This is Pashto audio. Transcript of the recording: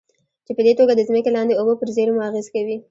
چې پدې توګه د ځمکې لاندې اوبو پر زېرمو اغېز کوي.